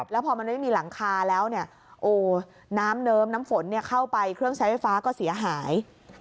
แล้วพอมันไม่มีหลังคาแล้วเนี่ยโอ้น้ำเนิมน้ำฝนเข้าไปเครื่องใช้ไฟฟ้าก็เสียหาย